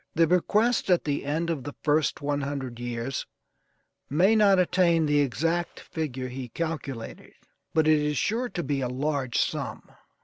The bequest at the end of the first one hundred years may not attain the exact figure he calculated, but it is sure to be a large sum.